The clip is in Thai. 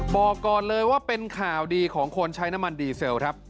บอกก่อนเลยว่าเป็นข่าวดีของคนใช้น้ำมันดีเซลครับ